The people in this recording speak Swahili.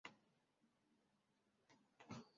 kuingia kwa mataifa mengine ya Ulaya Katika